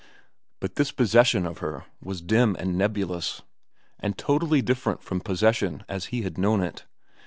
But this possession of her was dim and nebulous and totally different from possession as he had known it.